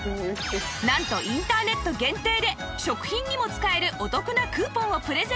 なんとインターネット限定で食品にも使えるお得なクーポンをプレゼント